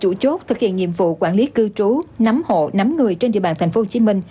trong lúc thực hiện nhiệm vụ quản lý cư trú nắm hộ nắm người trên địa bàn tp hcm